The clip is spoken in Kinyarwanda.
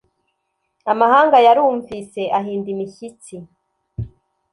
amahanga yarumvise ahinda imishyitsi,